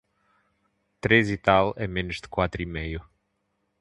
Três e tal é menos de quatro e meio.